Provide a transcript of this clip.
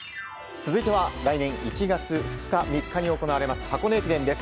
続いて来年１月２日、３日に行われます箱根駅伝です。